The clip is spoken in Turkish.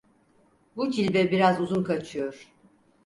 Bu cilve biraz uzun kaçıyor!